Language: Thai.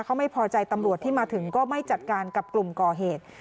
เขาไม่พอใจตำรวจที่มาถึงก็ไม่จัดการกับกลุ่มก่อเหตุ